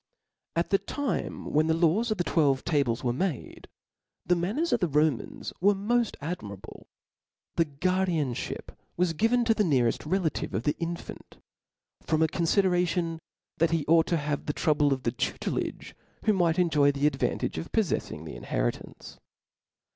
. At the time when the laws of the twelve tables werfe made, the manners of the Romans were mod admirable. The guardianfliip was given to the nearefl: relation of the infant, from a confideration that, he ought to. have the trouble of the tutelage, who might enjoy the ad vantage of pofleffing the inheritance.